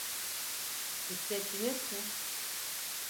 Hissettiniz mi?